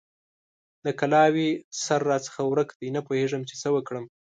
د کلاوې سر راڅخه ورک دی؛ نه پوهېږم چې څه وکړم؟!